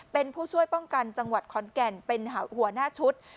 เป็นผู้ช่วยป้องกันจังหวัดขอนแก่นเป็นหัวหน้าชุด